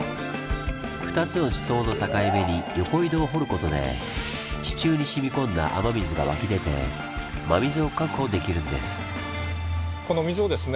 ２つの地層の境目に横井戸を掘ることで地中に染み込んだ雨水が湧き出て真水を確保できるんです。